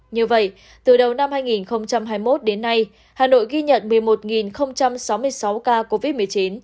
như vậy từ đầu năm hai nghìn hai mươi một đến nay hà nội ghi nhận một mươi một sáu mươi sáu ca covid một mươi chín